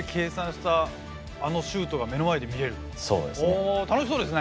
お楽しそうですね！